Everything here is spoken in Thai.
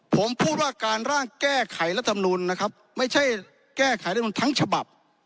ผมพูดว่าการร่างแก้ไขรัฐมนุนนะครับไม่ใช่แก้ไขรัฐมนุนทั้งฉบับ